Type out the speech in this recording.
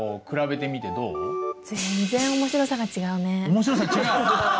面白さ違う！？